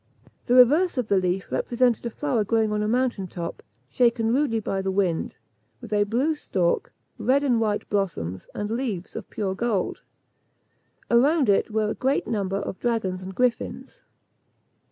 The reverse of the leaf represented a flower growing on a mountain top, shaken rudely by the wind, with a blue stalk, red and white blossoms, and leaves of pure gold. Around it were a great number of dragons and griffins.